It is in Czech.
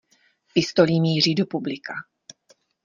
Pistolí míří do publika.